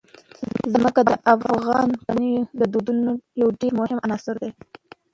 ځمکه د افغان کورنیو د دودونو یو ډېر مهم عنصر دی.